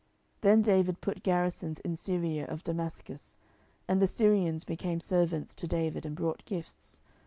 10:008:006 Then David put garrisons in Syria of Damascus: and the Syrians became servants to David, and brought gifts.